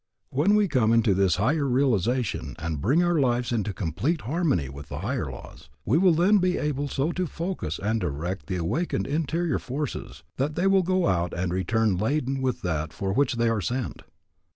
When we come into this higher realization and bring our lives into complete harmony with the higher laws, we will then be able so to focus and direct the awakened interior forces, that they will go out and return laden with that for which they are sent.